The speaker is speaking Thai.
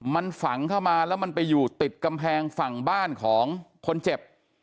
มันฝังเข้ามาแล้วมันไปอยู่ติดกำแพงฝั่งบ้านของคนเจ็บ